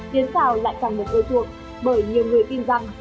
yến xào lại càng được ưa thuộc bởi nhiều người tin rằng